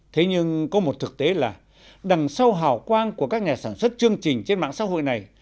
thế nhưng có một thực tế là đằng sau hào quang của các nhà sản xuất chương trình trên mạng xã hội này